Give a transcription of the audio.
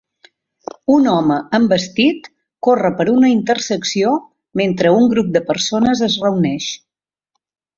Un home amb vestit corre per una intersecció mentre un grup de persones es reuneix.